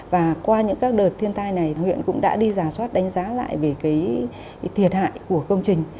và qua những các đợt thiên tai này huyện cũng đã đi giả soát đánh giá lại về thiệt hại của công trình